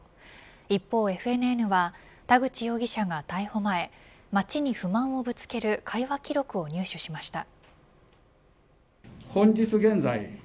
一方ＦＮＮは田口容疑者が逮捕前、町に不満をぶつける会話記録を入手しました。